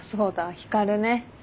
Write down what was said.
光ね。